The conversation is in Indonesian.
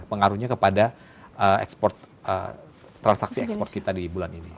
pengaruhnya kepada ekspor transaksi ekspor kita di bulan ini